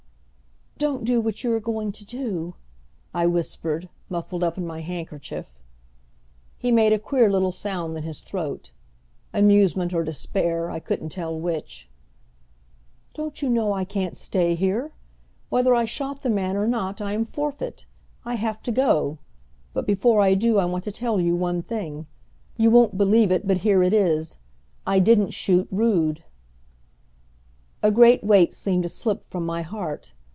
"Don't do what you are going to do," I whispered, muffled up in my handkerchief. He made a queer little sound in his throat amusement or despair, I couldn't tell which. "Don't you know I can't stay here? Whether I shot the man or not I am forfeit. I have to go. But before I do I want to tell you one thing. You won't believe it, but here it is I didn't shoot Rood!" A great weight seemed to slip from my heart.